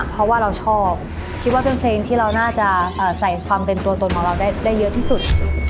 เพราะว่าเราชอบคิดว่าเป็นเพลงที่เราน่าจะใส่ความเป็นตัวตนของเราได้เยอะที่สุด